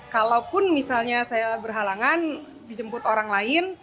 kalaupun misalnya saya berhalangan dijemput orang lain